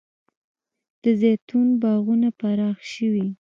د زیتون باغونه پراخ شوي؟